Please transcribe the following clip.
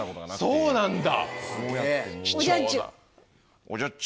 そうなんだ！